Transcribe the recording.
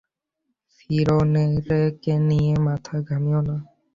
ফিওরনেরকে নিয়ে মাথা ঘামিয়ো না।